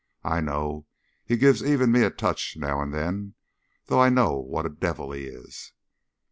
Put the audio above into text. "I know. He gives even me a touch now and then, though I know what a devil he is!"